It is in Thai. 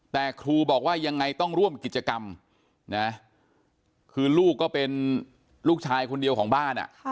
แต่ครูบอกว่ายังไงต้องร่วมกิจกรรมนะคือลูกก็เป็นลูกชายคนเดียวของบ้าน